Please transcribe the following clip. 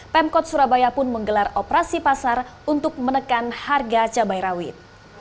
pemkot surabaya pun menggelar operasi pasar untuk menekan harga cabai rawit